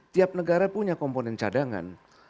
tiap negara punya komponen cadangan